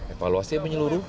evaluasi yang menyeluruh